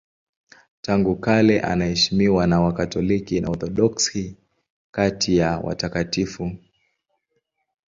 Tangu kale anaheshimiwa na Wakatoliki na Waorthodoksi kati ya watakatifu.